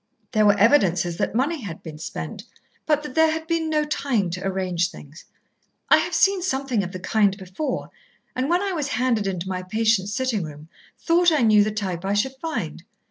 There were evidences that money had been spent, but that there had been no time to arrange things. I have seen something of the kind before, and when I was handed into my patient's sitting room, thought I knew the type I should find.